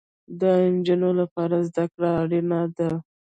د انجونو لپاره زده کړې اړينې دي